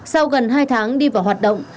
sau gần hai tháng đi vào hoạt động